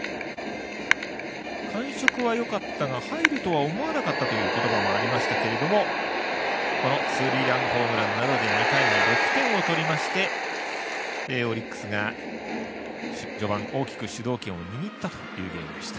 感触はよかったが入るとは思わなかった、という言葉もありましたけどもスリーランホームランなどで２回に６点を取りましてオリックスが序盤、大きく主導権を握ったというゲームでした。